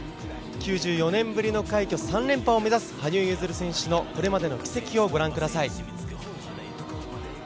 ９４年ぶりの３連覇を目指す羽生結弦選手のこれまでの軌跡をご覧ください。